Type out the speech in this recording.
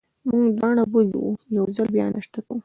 موږ دواړه وږي وو، یو ځل بیا ناشته کوو.